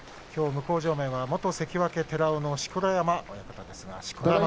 向正面は元関脇寺尾の錣山親方です。